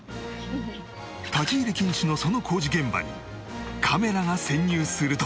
立ち入り禁止のその工事現場にカメラが潜入すると